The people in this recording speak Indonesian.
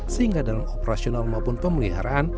sehingga dalam operasional maupun pemeliharaan